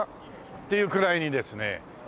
っていうくらいにですね新しい。